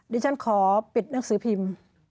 ดิฉันขอปิดหนังสือพิมพ์